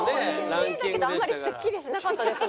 １位だけどあんまりスッキリしなかったです。